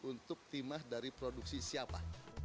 untuk timah dari produksi siapa